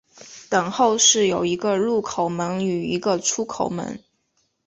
等候室有一个入口门与一个出口门。